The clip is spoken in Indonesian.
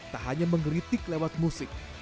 tak hanya mengeritik lewat musik